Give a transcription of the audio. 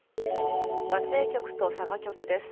松江局と佐賀局です。